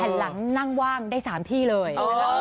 ผ่านหลังนั่งว่างได้สามที่เลย